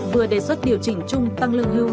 vừa đề xuất điều chỉnh chung tăng lương hưu